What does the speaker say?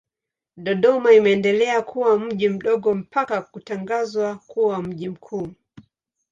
Dodoma imeendelea kuwa mji mdogo mpaka kutangazwa kuwa mji mkuu.